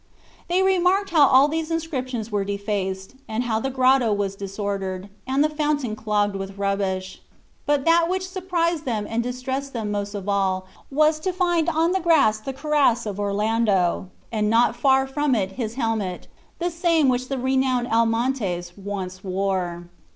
They remarked how all these inscriptions were defaced, and how the grotto was disordered, and the fountain clogged with rubbish. But that which surprised them and distressed them most of all was to find on the grass the cuirass of Orlando, and not far from it his helmet, the same which the renowned Almontes once wore.